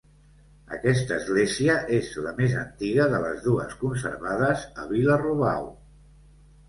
Aquesta església és la més antiga de les dues conservades a Vila-robau.